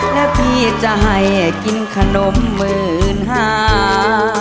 แล้วพี่จะให้กินขนมหมื่นห้า